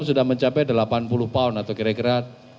sudah mencapai delapan puluh pound atau kira kira